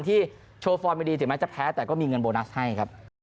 ที่โชว์ฟอร์มไม่ดีถึงแม้จะแพ้แต่ก็มีเงินโบนัสให้ครับ